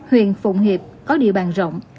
huyện phụng hiệp có địa bàn rộng